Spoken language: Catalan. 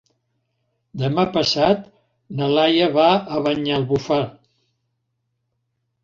Demà passat na Laia va a Banyalbufar.